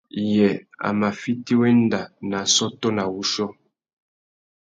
Yê a mà fiti wenda nà assôtô nà wuchiô?